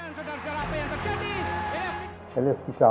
peserta dan saudara saudara apa yang terjadi